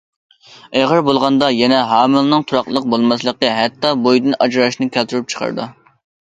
ئېغىر بولغاندا، يەنە ھامىلىنىڭ تۇراقلىق بولماسلىقى ھەتتا بويىدىن ئاجراشنى كەلتۈرۈپ چىقىرىدۇ.